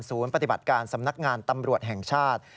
ปฏิบัติการสำนักงานตำรวจแห่งชาติ